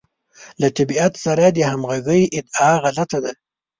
له طبیعت سره د همغږۍ ادعا غلطه ده.